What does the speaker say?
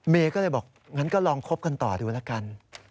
ก็เลยบอกงั้นก็ลองคบกันต่อดูแล้วกัน